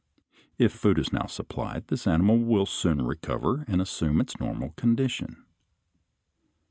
If food is now supplied, this animal will soon recover and assume its normal condition.